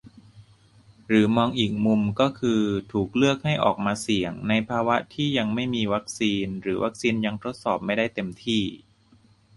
หรือมองอีกมุมก็คือ ถูกเลือกให้ออกมา "เสี่ยง" ในภาวะที่ยังไม่มีวัคซีนหรือวัคซีนยังทดสอบไม่ได้เต็มที่